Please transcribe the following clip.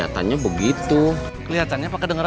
sebenarnya adalah sekolah pojok o membersan tersebut